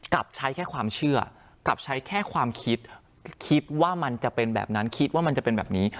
กลับใช้แค่ความเชื่อกลับใช้แค่ความคิดคิดว่ามันจะเป็นแบบนั้นคิดว่ามันจะเป็นแบบนี้